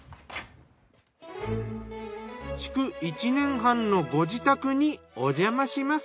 築１年半のご自宅におじゃまします。